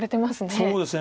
そうですね